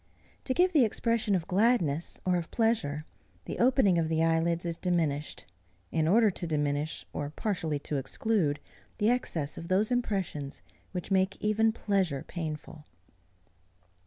To give the expression of gladness or of pleasure, the opening of the eyelids is diminished, in order to diminish, or partially to exclude, the excess of those impressions, which make even pleasure painful.